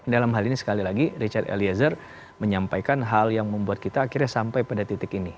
dalam hal ini sekali lagi richard eliezer menyampaikan hal yang membuat kita akhirnya sampai pada titik ini